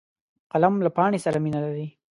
قلم له پاڼې سره مینه لري